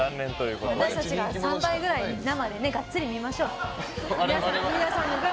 私たちが３倍くらい生でガッツリ見ましょう。